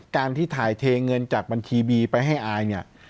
การที่ถ่ายเทเงินจากบัญชีบีไปให้อายเนี่ย